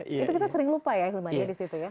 itu kita sering lupa ya hilman ya di situ ya